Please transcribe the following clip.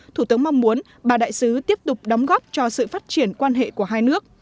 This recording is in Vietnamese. thủ tướng mong muốn bà đại sứ tiếp tục đóng góp cho sự phát triển quan hệ của hai nước